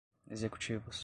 executivos